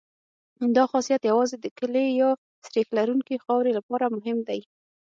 دا خاصیت یوازې د کلې یا سریښ لرونکې خاورې لپاره مهم دی